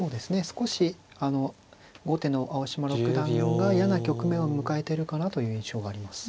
少し後手の青嶋六段が嫌な局面を迎えてるかなという印象があります。